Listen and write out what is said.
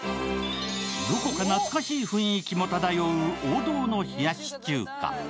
どこか懐かしい雰囲気も漂う王道の冷やし中華。